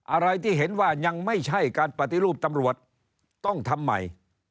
อะไรที่เห็นว่ายังไม่ใช่การปฏิรูปตำรวจต้องทำใหม่